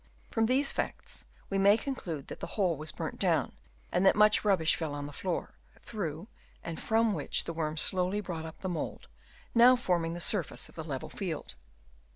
From these facts we may conclude that the Hall was burnt down, and that much rubbish fell on the floor, through and from which the worms slowly brought up the mould, now forming the surface of the level field.